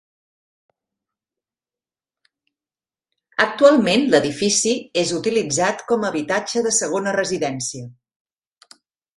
Actualment l'edifici és utilitzat com a habitatge de segona residència.